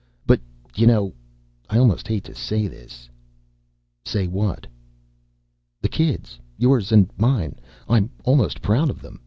But you know I almost hate to say this " "Say what?" "The kids. Yours and mine. I'm almost proud of them.